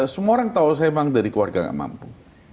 semua orang tahu saya memang dari keluarga nggak mampu